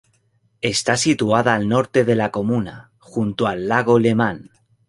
Está situada al norte de la comuna, junto al lago Lemán.